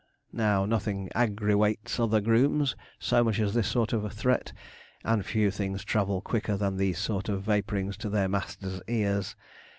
Now nothing 'aggrawates' other grooms so much as this sort of threat, and few things travel quicker than these sort of vapourings to their masters' ears.